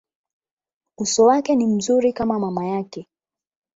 Uso wake ni mzuri kama mama yake.